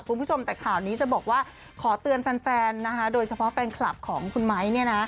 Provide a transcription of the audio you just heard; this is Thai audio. คุณผู้ชมแต่ข่าวนี้จะบอกว่าขอเตือนแฟนนะคะโดยเฉพาะแฟนคลับของคุณไมค์เนี่ยนะ